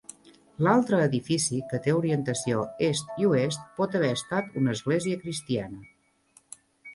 L"altre edifici, que té orientació est i oest, pot haver estat una església cristiana.